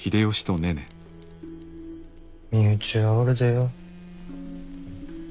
身内はおるでよ。